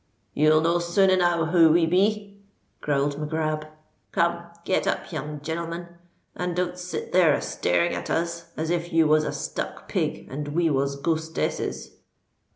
"You'll know soon enow who we be," growled Mac Grab. "Come—get up, young genelman; and don't sit there a staring at us, as if you was a stuck pig and we was ghostesses."